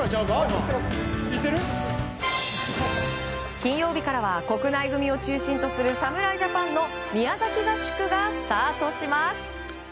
金曜日からは国内組を中心とする侍ジャパンの宮崎合宿がスタートします。